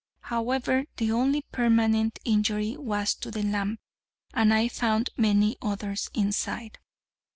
However, the only permanent injury was to the lamp: and I found many others inside.